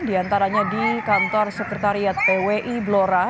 di antaranya di kantor sekretariat pwi blora